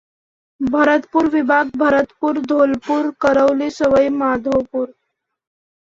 भरतपूर विभाग भरतपुर, धोलपुर, करौली सवाई माधोपुर.